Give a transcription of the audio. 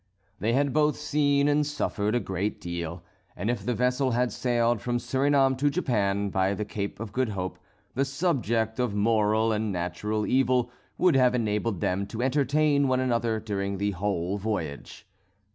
They had both seen and suffered a great deal; and if the vessel had sailed from Surinam to Japan, by the Cape of Good Hope, the subject of moral and natural evil would have enabled them to entertain one another during the whole voyage.